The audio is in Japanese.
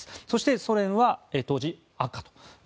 そしてソ連は当時、赤と。